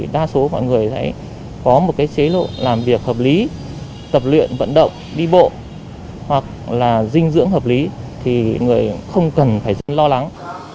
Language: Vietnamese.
đa số mọi người sẽ có một chế độ làm việc hợp lý tập luyện vận động đi bộ hoặc là dinh dưỡng hợp lý thì người không cần phải lo lắng